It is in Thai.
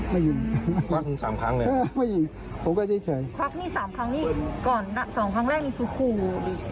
พักนี่๓ครั้งนี่ก่อนนะ๒ครั้งแรกนี่สุขู